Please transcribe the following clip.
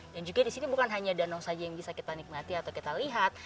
dan juga di sini bukan hanya danau saja yang bisa kita nikmati atau kita lihat